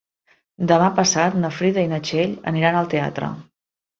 Demà passat na Frida i na Txell aniran al teatre.